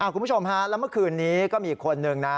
คุณผู้ชมฮะแล้วเมื่อคืนนี้ก็มีอีกคนนึงนะ